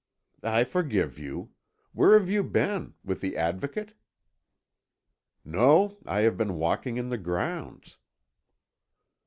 "I forgive you. Where have you been? With the Advocate?" "No; I have been walking in the grounds."